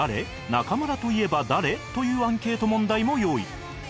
「中村といえば誰？」というアンケート問題も用意